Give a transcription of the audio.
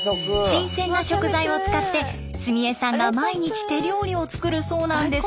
新鮮な食材を使って澄江さんが毎日手料理を作るそうなんですが。